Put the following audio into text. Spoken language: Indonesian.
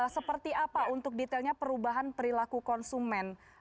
seperti apa untuk detailnya perubahan perilaku konsumen